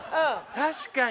確かに！